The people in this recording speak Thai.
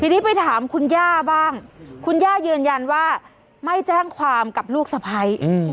ทีนี้ไปถามคุณย่าบ้างคุณย่ายืนยันว่าไม่แจ้งความกับลูกสะพ้าย